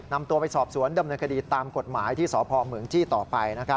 นำตัวไปสอบสวนดำเนินคดีตามกฎหมายที่สพเมืองจี้ต่อไป